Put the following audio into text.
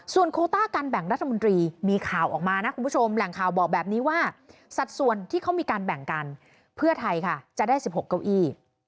โคต้าการแบ่งรัฐมนตรีมีข่าวออกมานะคุณผู้ชมแหล่งข่าวบอกแบบนี้ว่าสัดส่วนที่เขามีการแบ่งกันเพื่อไทยค่ะจะได้๑๖เก้าอี้